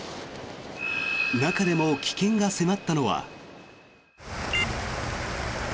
中でも危険が迫ったのは。